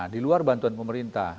di luar bantuan pemerintah